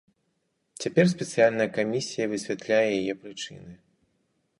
Цяпер спецыяльная камісія высвятляе яе прычыны.